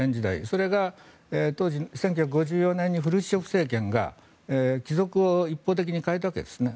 それが当時１９５４年にフルシチョフ政権が帰属を一方的に変えたわけですね。